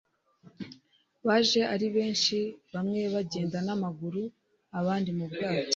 Baje ari benshi, bamwe bagenda n'amaguru abandi mu bwato.